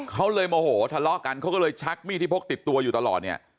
เขาเลยโมโหทะเลาะกันเขาก็เลยชักมีดที่พกติดตัวอยู่ตลอดเนี่ย